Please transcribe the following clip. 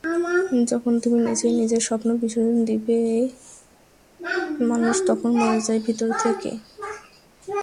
যখন তুই নিজেই নিজের স্বপ্ন বিসর্জন দিবি, মানুষ তখন মরে যায় ভিতর থেকে।